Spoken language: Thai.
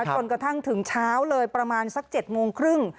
จนกระทั่งถึงเช้าเลยประมาณสัก๗โมงครึ่ง